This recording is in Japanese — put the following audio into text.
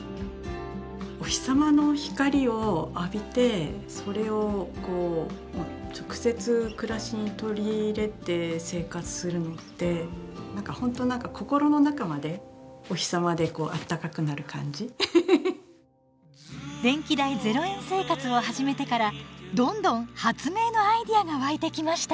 お日様の光を浴びてそれをこう直接暮らしに取り入れて生活するのって何かほんと何か電気代０円生活を始めてからどんどん発明のアイデアが湧いてきました！